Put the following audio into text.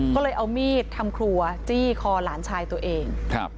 ก็เลยเอามีดทำครัวจี้คอหลานชายตัวเอง